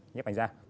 nhếp ảnh da